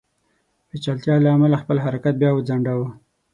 پېچلتیا له امله خپل حرکت بیا وځنډاوه.